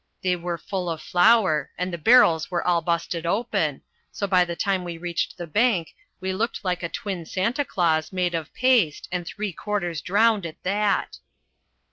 They were full of flour, and the barrels were all busted open, so by the time we reached the bank we looked like a twin Santa Claus made of paste, and three quarters drowned at that."